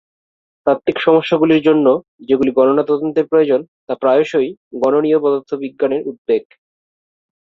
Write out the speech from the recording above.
তাত্ত্বিক সমস্যাগুলির জন্য যেগুলি গণনা তদন্তের প্রয়োজন তা প্রায়শই গণনীয় পদার্থবিজ্ঞানের উদ্বেগ।